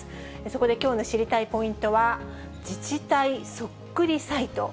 そこできょうの知りたいポイントは、自治体そっくりサイト。